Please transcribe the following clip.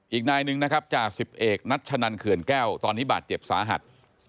อีกนายหนึ่งนะครับจ่าสิบเอกนัชนันเขื่อนแก้วตอนนี้บาดเจ็บสาหัส